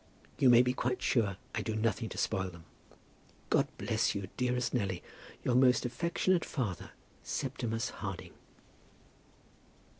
You may be quite sure I do nothing to spoil them. God bless you, dearest Nelly, Your most affectionate father, SEPTIMUS HARDING.